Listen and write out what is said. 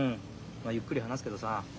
まあゆっくり話すけどさ。